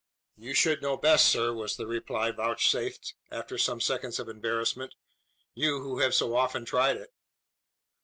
"You should know best, sir," was the reply vouchsafed, after some seconds of embarrassment. "You, who have so often tried it."